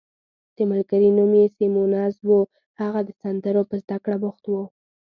د ملګري نوم یې سیمونز وو، هغه د سندرو په زده کړه بوخت وو.